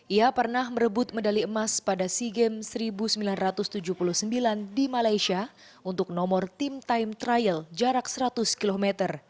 ia pernah merebut medali emas pada sea games seribu sembilan ratus tujuh puluh sembilan di malaysia untuk nomor team time trial jarak seratus km